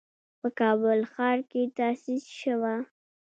په کابل ښار کې تأسيس شوه.